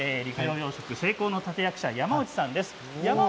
成功の立て役者、山内さんです。